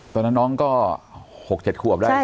ตอนนั้นน้องก็๖๗ขวบแล้ว